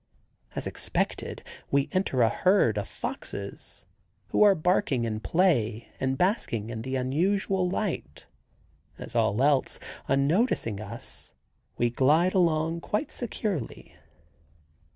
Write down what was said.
As expected, we enter a herd of foxes, who are barking in play and basking in the unusual light; as all else, unnoticing us, we glide along quite securely.